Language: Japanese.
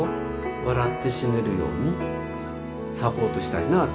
笑って死ねるようにサポートしたいなあと思っています。